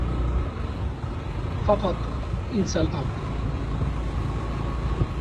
فقط انس الأمر.